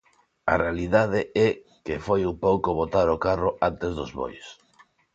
A realidade é que foi un pouco botar o carro antes dos bois.